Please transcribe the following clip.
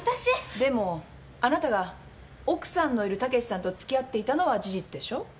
でもあなたが奥さんのいる武さんとつきあっていたのは事実でしょ？